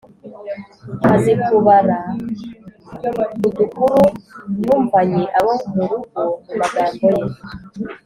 azi kubara udukuru yumvanye abo mu rugo mu magambo ye